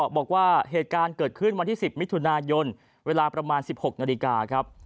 บอกว่าเหตุการณ์เกิดขึ้นวันที่๑๐มิถุนายนเวลาประมาณ๑๖นาฬิกาครับ